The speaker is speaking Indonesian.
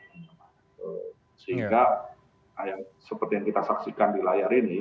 sehingga seperti yang kita saksikan di layar ini